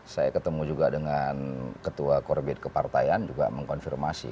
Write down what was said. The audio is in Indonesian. saya ketemu juga dengan ketua korbit kepartaian juga mengkonfirmasi